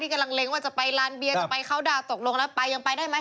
กำลังเล็งว่าจะไปลานเบียจะไปเข้าดาวน์ตกลงแล้วไปยังไปได้ไหม